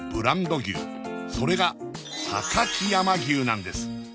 それが榊山牛なんです